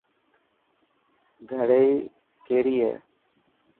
گھڙي ڪيري هي.